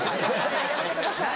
やめてください。